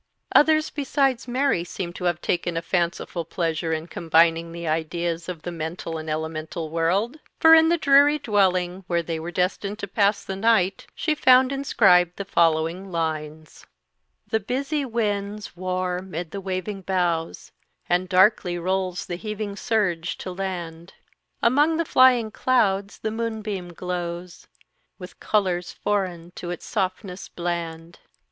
Others besides Mary seemed to have taken a fanciful pleasure in combining the ideas of the mental and elemental world, for in the dreary dwelling where they were destined to pass the night she found inscribed the following lines: "The busy winds war mid the waving bonghs, And darkly rolls the heaving surge to land; Among the flying clouds the moonbeam glows With colours foreign to its softness bland.